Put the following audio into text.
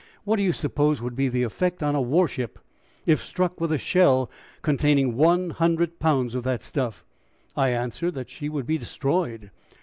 What do you suppose would be the effect on a warship if struck with a shell containing one hundred pounds of that stuff?" I answered that she would be destroyed.